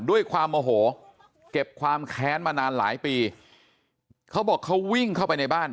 ด้วยความโมโหเก็บความแค้นมานานหลายปีเขาบอกเขาวิ่งเข้าไปในบ้าน